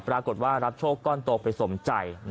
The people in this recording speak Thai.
ปรากฏว่ารับโชคก้อนโตไปสมใจ